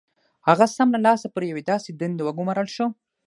هغه سم له لاسه پر یوې داسې دندې وګومارل شو